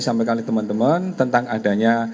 sampaikan oleh teman teman tentang adanya